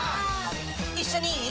一緒にいい？